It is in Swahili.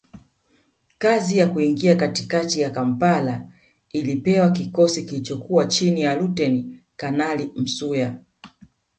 Kazi ya kuingia katikati ya Kampala ilipewa kikosi kilichokuwa chini ya Luteni Kanali Msuya